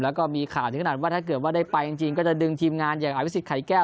แล้วก็มีข่าวถึงขนาดว่าถ้าเกิดว่าได้ไปจริงก็จะดึงทีมงานอย่างอภิษฎไข่แก้ว